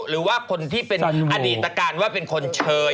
หรือว่าคนที่เป็นอดีตการว่าเป็นคนเชย